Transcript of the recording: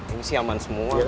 ini sih aman semua